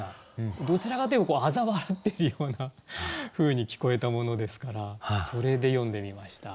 どちらかと言えばあざ笑ってるようなふうに聞こえたものですからそれで詠んでみました。